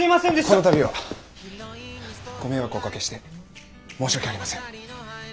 この度はご迷惑をおかけして申し訳ありません。